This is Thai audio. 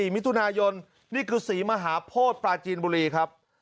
มิถุนายนนี่คือศรีมหาโพธิปลาจีนบุรีครับ